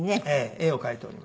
絵を描いておりまして。